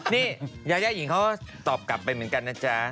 นี่ยายาหญิงเขาก็ตอบกลับไปเหมือนกันนะจ๊ะ